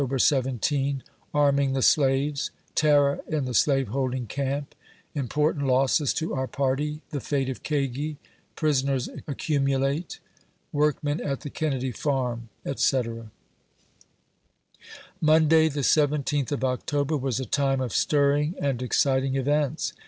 17 — ARMING THE SLAVES — TER ROR IN THE SLAVEHOLDING CAMP IMPORTANT LOSSES TO OUR PARTY THE FATE OF KAGI PRISONERS ACCUMULATE WORKMEN AT THE KENNEDY FARM ETC. Monday, the 17th of October, was a time of stirring and exciting events.